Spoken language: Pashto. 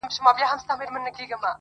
ددې خاوري هزاره ترکمن زما دی-